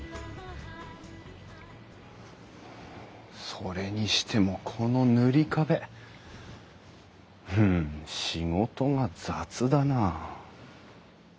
それにしてもこの塗り壁ふん仕事が雑だな。